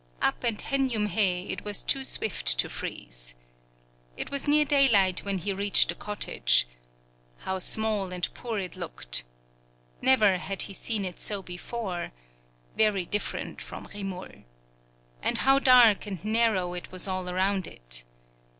Up at Henjumhei it was too swift to freeze. It was near daylight when he reached the cottage. How small and poor it looked! Never had he seen it so before; very different from Rimul. And how dark and narrow it was all around it!